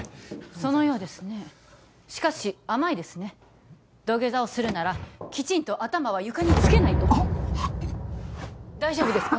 そのようですねしかし甘いですね土下座をするならきちんと頭は床につけないと大丈夫ですか！？